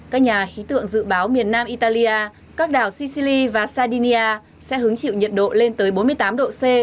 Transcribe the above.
các nhà khí tượng dự báo miền nam italia các đảo sicily và sardinia sẽ hứng chịu nhiệt độ lên tới bốn mươi tám độ c